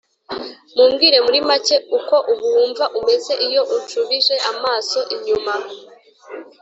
Mubwire muri make uko ubu wumva umeze iyo unshubije amaso inyuma